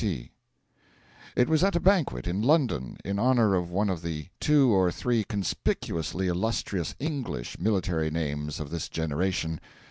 T.) It was at a banquet in London in honour of one of the two or three conspicuously illustrious English military names of this generation.